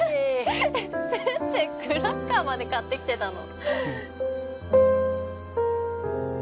先生クラッカーまで買ってきてたの？